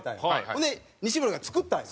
ほんで西森が作ったんよ。